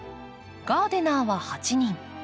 ガーデナーは８人。